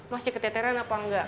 masih keteteran apa nggak